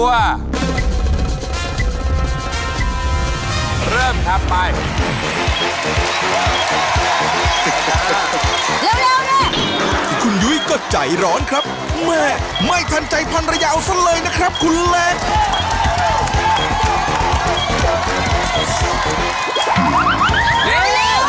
แต่ไม่ทันใจพันระยาวเสียเลยนะครับคุณแหลก